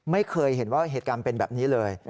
ไม่เคยเห็นว่าเหตุการณ์เป็นแบบนี้เลย